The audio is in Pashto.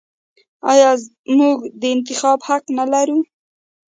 آیا موږ د انتخاب حق نلرو؟